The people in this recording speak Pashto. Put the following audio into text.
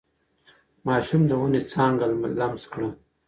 ماشوم د ونې څانګه لمس کړه.